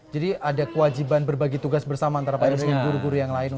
jadi ada kewajiban berbagi tugas bersama antara pak yono dan guru guru yang lain